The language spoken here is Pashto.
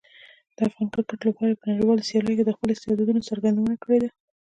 د افغان کرکټ لوبغاړي په نړیوالو سیالیو کې د خپلو استعدادونو څرګندونه کړې ده.